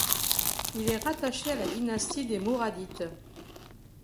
Il est rattaché à la dynastie des Mouradites.